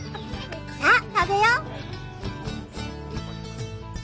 さあ食べよ！